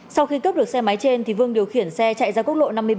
sau khi cướp được xe máy trên vương điều khiển xe chạy ra quốc lộ năm mươi ba